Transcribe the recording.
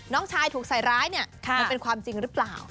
น้องชายถูกใส่ร้ายเนี่ยมันเป็นความจริงหรือเปล่า